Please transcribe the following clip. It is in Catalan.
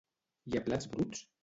I a Plats Bruts?